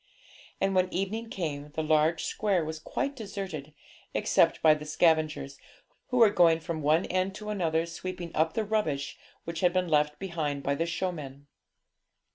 And when evening came, the large square was quite deserted, except by the scavengers, who were going from one end to another sweeping up the rubbish which had been left behind by the showmen.